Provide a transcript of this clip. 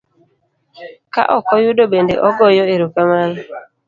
ka okoyudo bende ogoyo ero kamano.